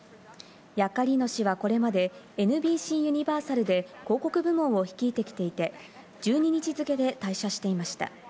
ヤッカリーノ氏は、これまでＮＢＣユニバーサルで広告部門を率いてきていて、１２日付で退社していました。